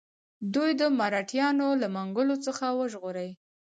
دوی د مرهټیانو له منګولو څخه وژغوري.